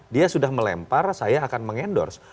dia sudah melempar saya akan mengendorse